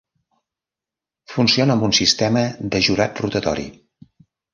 Funciona amb un sistema de jurat rotatori.